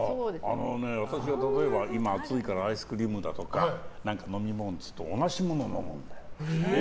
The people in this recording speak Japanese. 例えば、今暑いからアイスクリームだとか何か、飲み物っていうと同じもの飲むんだよ。